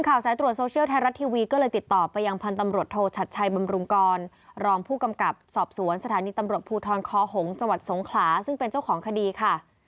สายตรวจโซเชียลไทยรัฐทีวีก็เลยติดต่อไปยังพันธ์ตำรวจโทชัดชัยบำรุงกรรองผู้กำกับสอบสวนสถานีตำรวจภูทรคอหงษ์จังหวัดสงขลาซึ่งเป็นเจ้าของคดีค่ะ